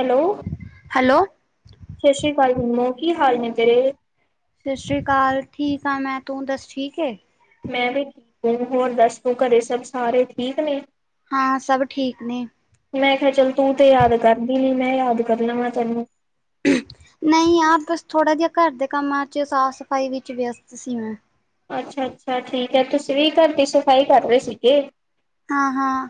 Hello hello ਸਤਿ ਸ੍ਰੀ ਅਕਾਲ ਨਿੰਮੋ ਕੀ ਹਾਲ ਨੇ ਤੇਰੇ? ਸਤਿ ਸ਼੍ਰੀ ਅਕਾਲ ਠੀਕ ਹਾਂ ਮੈਂ ਤੂੰ ਦੱਸ ਠੀਕ ਏ? ਮੈਂ ਵੀ ਠੀਕ ਆ ਹੋਰ ਦੱਸ ਤੂੰ ਘਰੇ ਸਭ ਸਾਰੇ ਠੀਕ ਨੇ? ਹਾਂ ਸਭ ਠੀਕ ਨੇ। ਮੈਂ ਕਿਹਾ ਚੱਲ ਤੂੰ ਤੇ ਯਾਦ ਕਰਦੀ ਨੀ ਮੈਂ ਯਾਦ ਕਰ ਲਵਾਂ ਤੈਨੂੰ। ਨਹੀਂ ਆ ਬਸ ਥੋੜਾ ਜਿਹਾ ਘਰ ਦੇ ਕੰਮਾਂ ਚ ਸਾਫ਼-ਸਫ਼ਾਈ ਵਿੱਚ ਵਿਅਸਤ ਸੀ ਮੈਂ। ਅੱਛਾ-ਅੱਛਾ ਠੀਕ ਹੈ ਤੁਸੀਂ ਵੀ ਘਰ ਦੀ ਸਫ਼ਾਈ ਕਰ ਰਹੇ ਸੀਗੇ। ਹਾਂ-ਹਾਂ।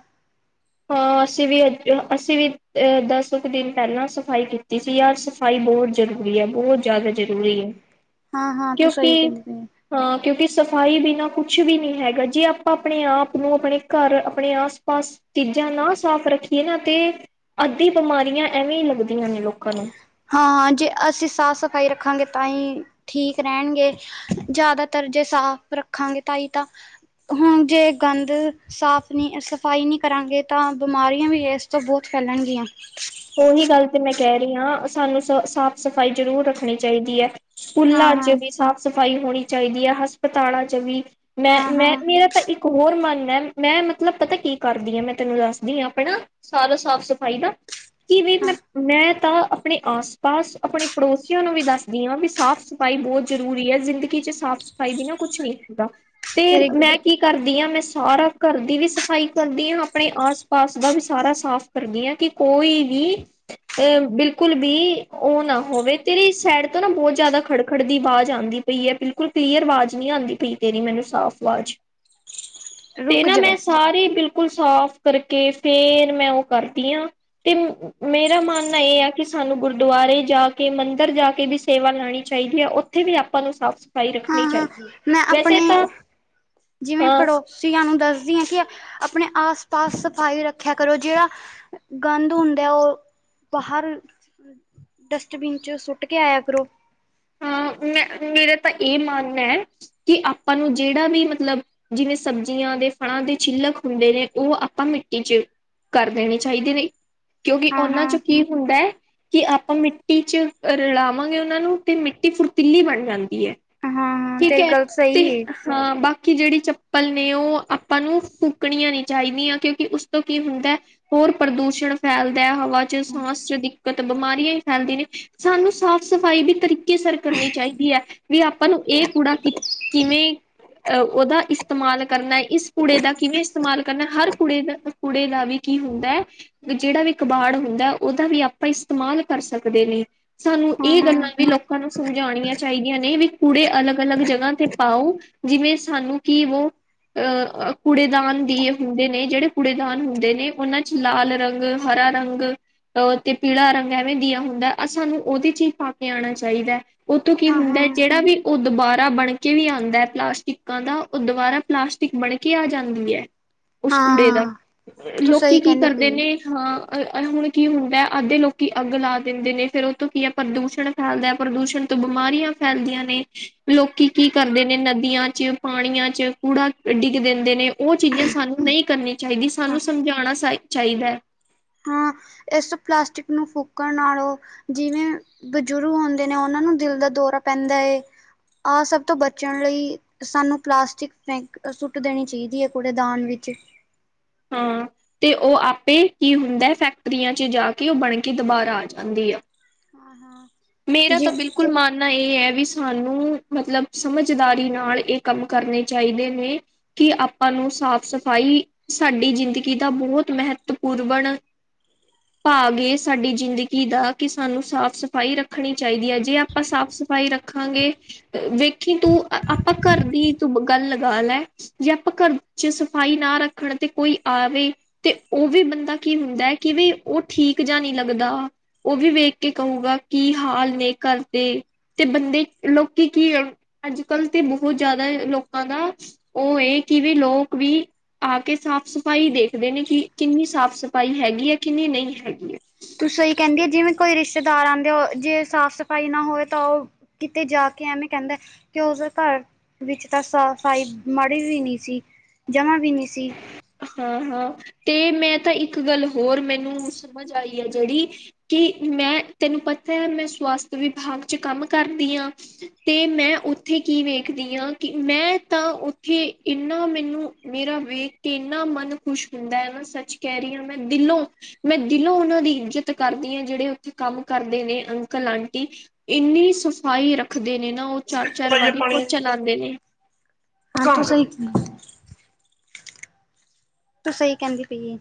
ਹਾਂ ਅਸੀਂ ਵੀ ਅੱਜ ਅਸੀਂ ਵੀ ਅਹ ਦਸ ਕੁ ਦਿਨ ਪਹਿਲਾਂ ਸਫ਼ਾਈ ਕੀਤੀ ਸੀ ਯਾਰ ਸ ਸਫਾਈ ਬਹੁਤ ਜ਼ਰੂਰੀ ਹੈ ਬਹੁਤ ਜ਼ਿਆਦਾ ਜ਼ਰੂਰੀ ਹੈ ਹਾਂ ਹਾਂ ਤੂੰ ਸਹੀ ਕਿਉਂਕਿ ਕਹਿੰਦੀ ਪਈ ਏ। ਹਾਂ ਕਿਉਂਕਿ ਸਫ਼ਾਈ ਬਿਨਾਂ ਕੁਛ ਵੀ ਨਹੀਂ ਹੈਗਾ ਜੇ ਆਪਾਂ ਆਪਣੇ ਆਪ ਨੂੰ ਆਪਣੇ ਘਰ ਆਪਣੇ ਆਸ-ਪਾਸ ਚੀਜ਼ਾਂ ਨਾ ਸਾਫ਼ ਰੱਖੀਏ ਨਾ ਤੇ, ਅੱਧੀ ਬਿਮਾਰੀਆਂ ਐਵੇਂ ਹੀ ਲੱਗਦੀਆਂ ਨੇ ਲੋਕਾਂ ਨੂੰ। ਹਾਂ-ਹਾਂ ਜੇ ਅਸੀਂ ਸਾਫ਼ ਸਫ਼ਾਈ ਰੱਖਾਂਗੇ ਤਾਂ ਹੀ, ਠੀਕ ਰਹਿਣਗੇ। ਜ਼ਿਆਦਾਤਰ ਜੇ ਸਾਫ਼ ਰੱਖਾਂਗੇ ਤਾਂਈ ਤਾਂ, ਹੁਣ ਜੇ ਗੰਦ ਸਾਫ ਨਹੀਂ ਸਫਾਈ ਨਹੀਂ ਕਰਾਂਗੇ ਤਾਂ ਬਿਮਾਰੀਆਂ ਵੀ ਇਸ ਤੋਂ ਬਹੁਤ ਫੈਲਣਗੀਆਂ। ਉਹੀ ਗੱਲ ਤੇ ਮੈਂ ਕਹਿ ਰਹੀ ਹਾਂ ਸਾਨੂੰ ਸ ਸਾਫ਼ ਸਫ਼ਾਈ ਜ਼ਰੂਰ ਰੱਖਣੀ ਚਾਹੀਦੀ ਐ। ਹਾਂ ਸਕੂਲਾਂ ਚ ਹਾਂ ਵੀ ਸਾਫ਼-ਸਫ਼ਾਈ ਹੋਣੀ ਚਾਹੀਦੀ ਹੈ ਹਸਪਤਾਲਾਂ ਚ ਵੀ। ਮੈਂ ਹਾਂ ਮੈਂ ਹਾਂ ਮੇਰਾ ਤਾਂ ਇ ਇੱਕਬਹੋਰ ਮਨ ਹੈ ਮੈਂ ਮਤਲਬ ਪਤਾ ਕੀ ਕਰਦੀ ਹਾਂ ਮੈਂ ਤੈਨੂੰ ਦੱਸਦੀ ਹਾਂ ਆਪਣਾ। ਸਾਰਾ ਸਾਫ਼-ਸਫ਼ਾਈ ਦਾ, ਕੀ ਵੀ ਮੇ ਹਾਂ ਮੈਂ ਤਾਂ ਆਪਣੇ ਆਸ-ਪਾਸ, ਆਪਣੇ ਪੜੋਸੀਆਂ ਨੂੰ ਵੀ ਦੱਸਦੀ ਹਾਂ ਵੀ ਸਾਫ਼-ਸਫ਼ਾਈ ਬਹੁਤ ਜਰੂਰੀ ਹੈ ਜ਼ਿੰਦਗੀ ਚ ਸਾਫ਼ ਸਫਾਈ ਬਿਨਾ ਕੁਛ ਨੀ ਹੁੰਦਾ, ਤੇ ਤੇਰੀ ਗ ਮੈਂ ਕੀ ਕਰਦੀ ਹਾਂ ਮੈਂ ਸਾਰਾ ਘਰ ਦੀ ਵੀ ਸਫ਼ਾਈ ਕਰਦੀ ਹਾਂ ਆਪਣੇ ਆਸ-ਪਾਸ ਦਾ ਵੀ ਸਾਰਾ ਸਾਫ਼ ਕਰਦੀ ਹਾਂ ਕਿ ਕੋਈ ਵੀ ਅਹ ਬਿਲਕੁਲ ਵੀ ਉਹ ਨਾ ਹੋਵੇ ਤੇਰੀ ਸੈਡ ਤੋਂ ਨਾ ਬਹੁਤ ਜ਼ਿਆਦਾ ਖੜ-ਖੜ ਦੀ ਆਵਾਜ਼ ਆਉਂਦੀ ਪਈ ਏ ਬਿਲਕੁਲ ਕਲੀਅਰ ਆਵਾਜ਼ ਨਹੀਂ ਆਂਦੀ ਪਈ ਤੇਰੀ ਮੈਨੂੰ ਸਾਫ਼ ਆਵਾਜ਼। ਤੇ ਰੁਕ ਨਾ ਜਾ ਮੈਂ ਸਾਰੇ ਬਿਲਕੁਲ ਸਾਫ ਕਰਕੇ ਫੇਰ ਮੈਂ ਉਹ ਕਰਦੀ ਆ ਤੇ ਮੇਰਾ ਮਾਨਨਾ ਇਹ ਆ ਕਿ ਸਾਨੂੰ ਗੁਰਦੁਆਰੇ ਜਾ ਕੇ, ਮੰਦਿਰ ਜਾ ਕੇ ਵੀ ਸੇਵਾ ਲੈਣੀ ਚਾਹੀਦੀ ਏ ਉ ਉੱਥੇ ਵੀ ਆਪਾਂ ਨੂੰ ਸਾਫ਼-ਸਫ਼ਾਈ ਰੱਖਣੀ ਹਾਂ-ਹਾਂ ਚਾਹੀਦੀ ਹੈ। ਮੈਂ ਵੈਸੇ ਆਪਣੇ ਤਾਂ ਹਾਂ ਸੀ ਸਾਨੂੰ ਦੱਸਦੀ ਹਾਂ ਕਿ ਆਪਣੇ ਆਸ ਪਾਸ ਸਫਾਈ ਰੱਖਿਆ ਕਰੋ ਜਿਹੜਾ ਗੰਦ ਹੁੰਦਾ ਉਹ, ਬਾਹਰ ਅੱ [unintelligible] ਡਸਟਬਿਨ 'ਚ ਸੁੱਟ ਕੇ ਆਇਆ ਕਰੋ ਹਾਂ ਮੈਂ ਮੇਰਾ ਤਾਂ ਇਹ ਮੰਨ ਹੈ, ਕਿ ਆਪਾਂ ਨੂੰ ਜਿਹੜਾ ਵੀ ਮਤਲਬ ਜਿਵੇਂ ਸਬਜ਼ੀਆਂ ਦੇ ਫਲਾਂ ਦੇ ਛਿੱਲਕ ਹੁੰਦੇ ਨੇ, ਉਹ ਆਪਾਂ ਮਿੱਟੀ ਚ ਕਰ ਦੇਣੇ ਚਾਹੀਦੇ ਨੇ। ਕਿਉਂਕਿ ਉਹਨਾਂ ਹਾਂ-ਹਾਂ, ਚ ਕੀ ਹੁੰਦਾ ਹੈ, ਕਿ ਆਪਾਂ ਮਿੱਟੀ ਚ ਰਲਾਵਾਂਗੇ ਉਹਨਾਂ ਨੂੰ। ਤੇ ਮਿੱਟੀ ਫੁਰਤੀਲੀ ਬਣ ਜਾਂਦੀ ਹੈ, ਹਾਂ-ਹਾਂ ਠੀਕ ਤੇਰੀ ਹੈ, ਗੱਲ ਸਹੀ ਤੇ ਏ। ਹਾਂ ਬਾਕੀ ਜਿਹੜੀ ਚੱਪਲ ਨੇ ਉਹ ਆਪਾਂ ਨੂੰ ਫੂਕਣੀਆਂ ਨਹੀਂ ਚਾਹੀਦੀਆਂ, ਕਿਉਂਕਿ ਉਸ ਤੋਂ ਕੀ ਹੁੰਦਾ ਹੋਰ ਪ੍ਰਦੂਸ਼ਣ ਫੈਲਦਾ ਹਵਾ ਚ ਸਾਂਸ ਚ ਦਿੱਕਤ ਬਿਮਾਰੀਆਂ ਹੀ ਫੈਲਦੀਆਂ ਨੇ, ਸਾਨੂੰ ਸਾਫ਼ ਸਫ਼ਾਈ ਵੀ ਤਰੀ ਕੇਅਰ ਕਰਨੀ ਚਾਹੀਦੀ ਹੈ ਵੀ ਆਪਾਂ ਨੂੰ ਇਹ ਕੂੜਾ ਕਿ ਕਿਵੇਂ ਉਹਦਾ ਇਸਤੇਮਾਲ ਕਰਨਾ, ਇਸ ਕੁੜੇ ਦਾ ਕਿਵੇਂ ਇਸਤੇਮਾਲ ਕਰਨਾ, ਹਰ ਕੁੜੇ ਦਾ। ਕੁੜੇ ਦਾ ਵੀ ਕੀ ਹੁੰਦਾ ਹੈ। ਜਿਹੜਾ ਵੀ ਕਬਾੜ ਹੁੰਦਾ, ਉਹਦਾ ਵੀ ਆਪਾਂ ਇਸਤੇਮਾਲ ਕਰ ਸਕਦੇ ਨੇ। ਸਾਨੂੰ ਇਹ ਹਾਂ-ਹਾਂ, ਗੱਲਾਂ ਵੀ ਲੋਕਾਂ ਨੂੰ ਸਮਝਾਉਣੀਆਂ ਚਾਹੀਦੀਆਂ ਨੇ, ਵੀ ਕੂੜੇ ਅਲੱਗ ਅਲੱਗ ਜਗ੍ਹਾ ਤੇ ਪਾਓ। ਜਿਵੇਂ ਸਾਨੂੰ ਕਿ ਵੋ ਅਹ ਕੁੜੇਦਾਨ ਦੀ ਹੁੰਦੇ ਨੇ, ਜਿਹੜੇ ਕੁੂੜੇਦਾਨ ਹੁੰਦੇ ਨੇ ਉਹਨਾਂ ਚ ਲਾਲ ਰੰਗ ਹਰਾ ਰੰਗ ਤੇ ਪੀਲਾ ਰੰਗ ਐਵੇਂ ਦੀਆ ਹੁੰਦਾ, ਸਾਨੂੰ ਉਹਦੀ ਚੀਜ਼ ਪਾ ਕੇ ਆਉਣਾ ਚਾਹੀਦਾ। ਚਾਹੀਦਾ, ਉਹਤੋਂ ਕੀ ਹੁੰਦਾ ਹਾਂ-ਹਾਂ, ਜਿਹੜਾ ਵੀ ਉਹ ਦੁਬਾਰਾ ਬਣਕੇ ਵੀ ਆਉਂਦਾ ਹੈ, ਪਲਾਸਟਿਕਾਂ ਦਾ, ਉਹ ਦੁਬਾਰਾ ਪਲਾਸਟਿਕ ਬਣ ਕੇ ਆ ਜਾਂਦੀ ਹੈ। ਉਸ ਕੁੂੜੇ ਦਾ, ਹਾਂ ਤੂੰ ਲੋਕੀ ਸਹੀ ਕੀ ਕਹਿੰਦੀ ਕਰਦੇ ਪਈ ਨੇ ਹਾਂ ਹੁਣ ਕੀ ਹੁੰਦਾ, ਅੱਧੇ ਲੋਕੀ ਅੱਗ ਲਾ ਦਿੰਦੇ ਨੇ, ਫੇਰ ਉਹ ਤੋਂ ਕੀ ਹੈ ਪ੍ਰਦੂਸ਼ਣ ਫੈਲਦਾ, ਪ੍ਰਦੂਸ਼ਣ ਤੋਂ ਬਿਮਾਰੀਆਂ ਫੈਲਦੀਆਂ ਨੇ, ਲੋਕੀ ਕੀ ਕਰਦੇ ਨੇ ਨਦੀਆਂ ਚ ਪਾਣੀਆਂ ਚ, ਕੂੜਾ ਡਿੱਗ ਦਿੰਦੇ ਨੇ, ਉਹ ਚੀਜ਼ਾਂ ਸਾਨੂੰ ਨਹੀਂ ਕਰਨੀ ਚਾਹੀਦੀ, ਹਾਂ। ਸਾਨੂੰ ਸਮਝਾਉਣਾਾ ਚਾਹੀਦਾ ਹੈ ਹਾਂ ਇਸ ਪਲਾਸਟਿਕ ਨੂੰ ਫੂਕਣ ਨਾਲੋਂ, ਜਿਵੇਂ ਬਜ਼ੁਰਗ ਹੁੰਦੇ ਨੇ, ਉਹਨਾਂ ਨੂੰ ਦਿਲ ਦਾ ਦੌਰਾ ਪੈਂਦਾ ਹੈ, ਆਹ ਸਭ ਤੋਂ ਬਚਣ ਲਈ ਸਾਨੂੰ ਪਲਾਸਟਿਕ ਫੈਂਕ ਸੁੱਟ ਦੇਣੀ ਚਾਹੀਦੀ ਹੈ, ਕੁੂੜੇ ਦਾਨ ਵਿੱਚ ਹਾਂ ਤੇ ਉਹ ਆਪੇ ਕੀ ਹੁੰਦਾ ਹੈ, ਫੈਕਟਰੀਆਂ ਚ ਜਾ ਕੇ, ਉਹ ਬਣ ਕੇ ਦੁਬਾਰ ਆ ਜਾਂਦੀ ਆ ਹਾਂ ਹਾਂ ਮੇਰਾ ਜੀ ਤਾਂ ਬਿਲਕੁਲ ਮਾਣ ਇਹ ਹੈ ਵੀ ਸਾਨੂੰ ਮਤਲਬ ਸਮਝਦਾਰੀ ਨਾਲ, ਇਹ ਕੰਮ ਕਰਨੇ ਚਾਹੀਦੇ ਨੇ। ਕਿ ਆਪਾਂ ਨੂੰ ਸਾਫ਼ ਸਫ਼ਾਈ ਸਾਡੀ ਜ਼ਿੰਦਗੀ ਦਾ ਬਹੁਤ ਮਹੱਤਵਪੂਰਬਨ ਭਾਗ ਏ ਸਾਡੀ ਜ਼ਿੰਦਗੀ ਦਾ, ਕਿ ਸਾਨੂੰ ਸਾਫ਼ ਸਫ਼ਾਈ ਰੱਖ। ਰੱਖਣੀ ਚਾਹੀਦੀ ਹੈ, ਜੇ ਆਪਾਂ ਸਾਫ਼ ਸਫ਼ਾਈ ਰੱਖਾਂਗੇ। ਵੇਖੀ ਤੂੰ, ਆਪਾਂ ਘਰ ਦੀ ਤੂੰ ਗੱਲ ਲਗਾ ਲੈ। ਜੇ ਆਪਾਂ ਘਰ ਚ ਸਫ਼ਾਈ ਨਾ ਰੱਖਣ, ਤੇ ਕੋਈ ਆਵੇ। ਤੇ ਉਹ ਵੀ ਬੰਦਾ ਕੀ ਹੁੰਦਾ ਹੈ, ਕਿ ਵੀ ਉਹ ਠੀਕ ਜਾ ਨਹੀਂ ਲੱਗਦਾ। ਉਹ ਵੀ ਵੇਖ ਕੇ ਕਹੂਗਾ, ਕੀ ਹਾਲ ਨੇ ਘਰ ਦੇ। ਤੇ ਬੰਦੇ, ਲੋਕੀ ਕੀ ਅੱਜ ਕੱਲ੍ਹ ਤੇ ਬਹੁਤ ਜ਼ਿਆਦਾ ਲੋਕਾਂ ਦਾ। ਉਹ ਇਹ, ਕਿ ਵੀ ਲੋਕ ਵੀ ਆ ਕੇ ਸਾਫ਼ ਸਫ਼ਾਈ ਦੇਖਦੇ ਨੇ, ਕਿ ਕਿੰਨੀ ਸਾਫ਼ ਸਫ਼ਾਈ ਹੈਗੀ ਹੈ ਕਿੰਨੀ ਨਹੀਂ ਹੈਗੀ ਹੈ। ਤੁਸੀਂ ਸਹੀ ਕਹਿੰਦੀ ਏ, ਜਿਵੇਂ ਕੋਈ ਰਿਸ਼ਤੇਦਾਰ ਆਉਂਦੇ ਹੋ, ਜੇ ਸਾਫ਼ ਸਫ਼ਾਈ ਨਾ ਹੋਵੇ ਤਾਂ ਉਹ ਕਿਤੇ ਜਾ ਕੇ ਐਵੇਂ ਕਹਿੰਦਾ, ਕਿ ਉਸਦੇ ਘਰ ਵਿੱਚ ਤਾਂ ਸ ਸਫਾਈ ਮਾੜੇ ਜੀ ਵੀ ਨਹੀਂ ਸੀ, ਜਮਾ ਵੀ ਨਹੀਂ ਸੀ ਹਾਂ ਹਾਂ ਤੇ ਮੈਂ ਤਾਂ ਇੱਕ ਗੱਲ, ਹੋਰ ਮੈਨੂੰ ਸਮਝ ਆਈ ਹੈ ਜਿਹੜੀ ਕਿ ਮੈਂ ਤੈਨੂੰ ਪਤਾ ਹੈ ਮੈਂ ਸਵਾਸਥ ਵਿਭਾਗ ਚ ਕੰਮ ਕਰਦੀ ਆ। ਤੇ ਮੈਂ ਉੱਥੇ ਕੀ ਵੇਖਦੀ ਹਾਂ ਕਿ ਮੈਂ ਤਾਂ ਉੱਥੇ ਇੰਨਾ ਮੈਨੂੰ ਮੇਰਾ ਵੇਖ ਕੇ ਇੰਨਾ ਮਨ ਖੁਸ਼ ਹੁੰਦਾ ਹੈ ਨਾ ਸੱਚ ਕਹਿ ਰਹੀ ਹਾਂ ਮੈਂ ਦਿਲੋਂ ਮੈਂ ਦਿਲੋਂ ਉਹਨਾਂ ਦੀ ਇੱਜਤ ਕਰਦੀ ਹਾਂ ਜਿਹੜੇ ਉੱਥੇ ਕੰਮ ਕਰਦੇ ਨੇ ਅੰਕਲ ਆਂਟੀ। ਇੰਨੀ ਸਫ਼ਾਈ ਰੱਖਦੇ ਨੇ ਨਾ ਉਹ ਚਾਰ-ਚਾਰ ਪਾਈਏ ਵਾਰੀ ਪਾਣੀ ਪੋਚਾ ਲਾਦੇ ਨੇ। [unintelligible] ਤੂੰ ਸਹੀ ਕਹਿੰਦੀ ਪਈ ਏ।